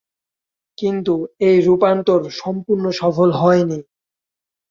কিন্তু এই রূপান্তর সম্পূর্ণ সফল হয়নি।